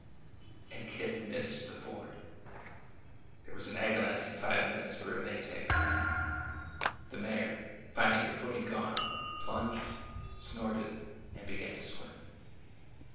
And Kit missed the ford! 232 ORDER NO. 11 There was an agonizing five minutes for Rene Tag gart then. The mare, finding her footing gone, plunged, shorted, and began to swim.